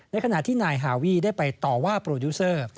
ขณะที่นายฮาวีได้ไปต่อว่าโปรดิวเซอร์